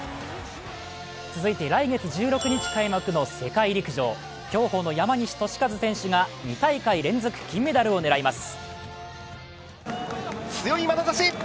続いて来月１６日開幕の世界陸上、競歩の山西利和選手が２大会連続の金メダルを狙います。